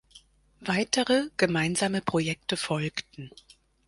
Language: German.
Weitere gemeinsame Projekte folgten.